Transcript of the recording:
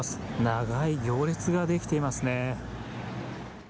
長い行列が出来ていますね。